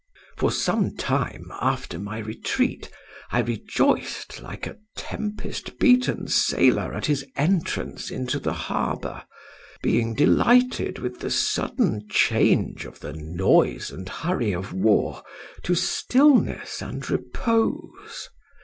"For some time after my retreat I rejoiced like a tempest beaten sailor at his entrance into the harbour, being delighted with the sudden change of the noise and hurry of war to stillness and repose.